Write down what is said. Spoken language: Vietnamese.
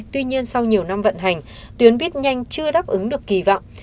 tuy nhiên sau nhiều năm vận hành tuyến bít nhanh chưa đáp ứng được kỳ vọng